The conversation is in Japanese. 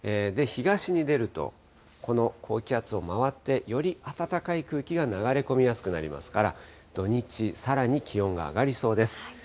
東に出ると、この高気圧を回って、より暖かい空気が流れ込みやすくなりますから、土日、さらに気温が上がりそうです。